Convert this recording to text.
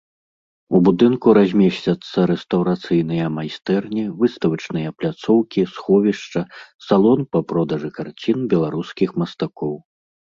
У будынку размесцяцца рэстаўрацыйныя майстэрні, выставачныя пляцоўкі, сховішча, салон па продажы карцін беларускіх мастакоў.